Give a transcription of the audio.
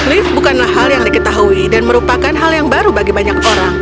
lift bukanlah hal yang diketahui dan merupakan hal yang baru bagi banyak orang